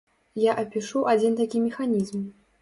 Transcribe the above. Я апішу адзін такі механізм.